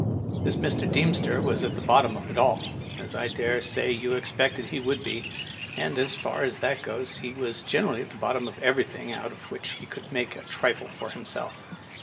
Digitized by VjOOQIC EILEY, M.P. 169 This Mr. Deemster was at the bottom of it all, as I dare say you expected he would be, aud, as far as that goes, he was generally at the bottom of every thing out of which he could make a trifle for himself.